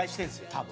多分。